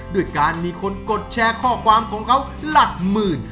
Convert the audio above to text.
ด้วยการมีคนกดแชร์ข้อความของเขาหลักหมื่น